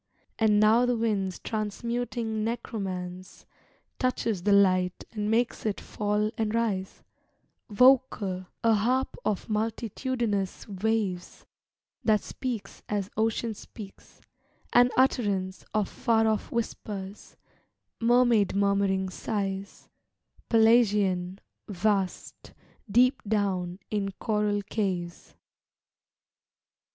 And now the wind's transmuting necromance Touches the light and makes it fall and rise, Vocal, a harp of multitudinous waves That speaks as ocean speaks an utterance Of far off whispers, mermaid murmuring sighs Pelagian, vast, deep down in coral caves.